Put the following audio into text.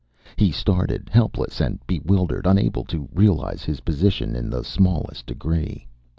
He stared, helpless and bewildered, unable to realize his position in the smallest degree.